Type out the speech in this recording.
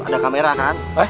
ada kamera kan